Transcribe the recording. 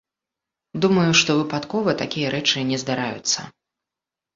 Думаю, што выпадкова такія рэчы не здараюцца.